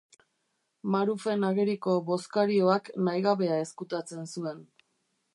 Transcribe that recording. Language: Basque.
Marufen ageriko bozkarioak nahigabea ezkutatzen zuen.